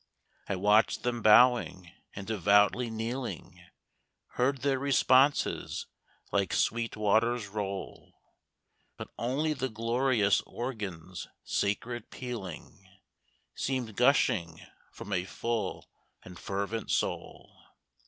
I watched them bowing and devoutly kneeling, Heard their responses like sweet waters roll. But only the glorious organ's sacred pealing Seemed gushing from a full and fervent soul.